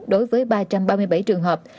đối với ba trăm ba mươi bảy trường hợp